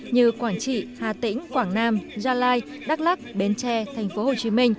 như quảng trị hà tĩnh quảng nam gia lai đắk lắc bến tre tp hcm